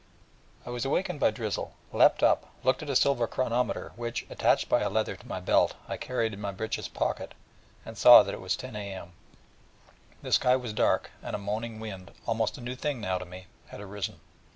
I was awakened by drizzle, leapt up, looked at a silver chronometer which, attached by a leather to my belt, I carried in my breeches pocket, and saw that it was 10 A.M. The sky was dark, and a moaning wind almost a new thing now to me had arisen.